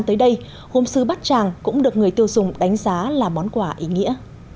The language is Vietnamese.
tới đây gồm sư bát tràng cũng được người tiêu dùng đánh giá là món quả ý nghĩa